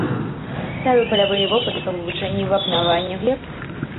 Ставіў палявыя вопыты па вывучэнні вапнавання глеб.